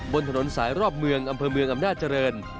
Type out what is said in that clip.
บนถนนสายรอบเมืองอำเภอเมืองอำนาจริง